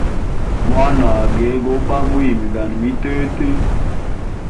Mwanage go bamba uyimgana mitete.